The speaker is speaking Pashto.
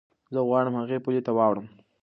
زه غواړم هغې پولې ته واوړم.